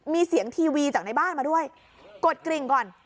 มีเสียงทีวีจากในบ้านมาด้วยกดกริ่งก่อน